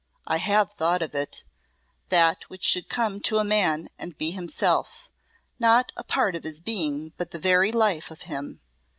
"I have thought of it that which should come to a man and be himself, not a part of his being but the very life of him.